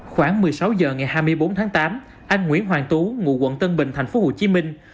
khoảng một mươi sáu giờ ngày hai mươi bốn tháng tám anh nguyễn hoàng tú ngụ quận tân bình thành phố hồ chí minh